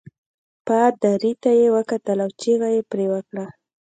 پادري ته یې وکتل او چغه يې پرې وکړل.